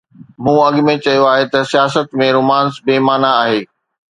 مون اڳ ۾ چيو آهي ته سياست ۾ رومانس بي معنيٰ آهي.